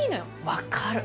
分かる！